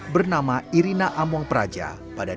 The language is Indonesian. bernama irina amwang praja pada dua ribu satu